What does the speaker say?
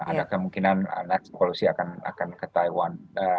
ada kemungkinan nancy pelosi akan ke taiwan